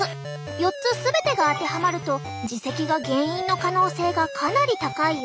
４つ全てが当てはまると耳石が原因の可能性がかなり高いよ。